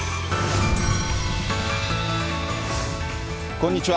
こんにちは。